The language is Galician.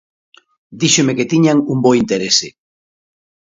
Díxome que tiñan un bo interese.